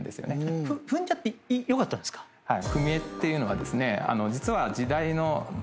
はい。